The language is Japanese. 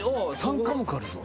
３科目あるぞ。